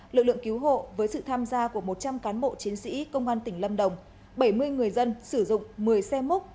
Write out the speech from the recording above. lực lượng cứu hộ với sự tham gia của một trăm linh cán bộ chiến sĩ công an tỉnh lâm đồng bảy mươi người dân sử dụng một mươi xe múc